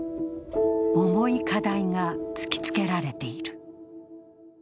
重い課題が突きつけられている。